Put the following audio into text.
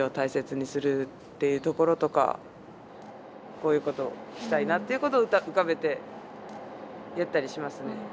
こういうことをしたいなっていうことを浮かべてやったりしますね。